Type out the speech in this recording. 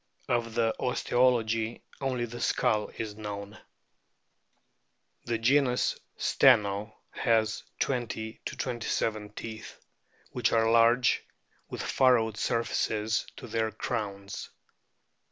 Of the osteology only the skull is known. The genus STENO has 20 27 teeth, which are large with furrowed surfaces to their crowns.